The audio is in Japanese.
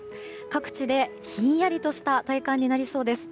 各地で、ひんやりとした体感になりそうです。